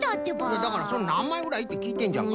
いやだから「なんまいぐらい？」ってきいてんじゃんか。